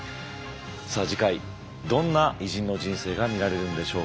さあ次回どんな偉人の人生が見られるんでしょうか。